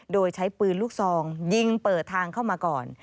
โดยใช้ปืนลูกซองยิงเปิดทางเข้ามาก่อน